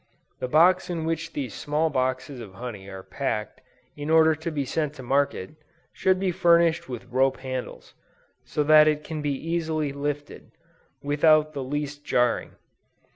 The box in which these small boxes of honey are packed in order to be sent to market, should be furnished with rope handles, so that it can be easily lifted, without the least jarring.